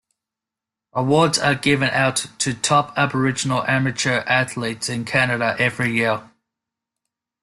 Awards are given out to top Aboriginal amateur athletes in Canada every year.